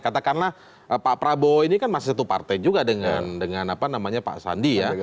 katakanlah pak prabowo ini kan masih satu partai juga dengan pak sandi ya